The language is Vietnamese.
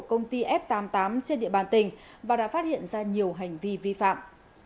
công ty f tám mươi tám trên địa bàn tỉnh và đã phát hiện ra nhiều hành vi vi phạm